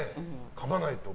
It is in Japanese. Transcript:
かまないと。